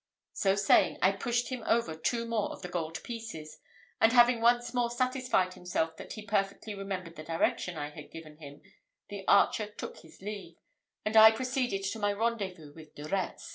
So saying, I pushed him over two more of the gold pieces; and having once more satisfied himself that he perfectly remembered the direction I had given him, the archer took his leave, and I proceeded to my rendezvous with De Retz.